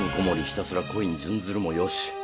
ひたすら恋に殉ずるもよし